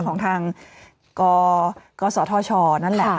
ของทางกศธชนั่นแหละ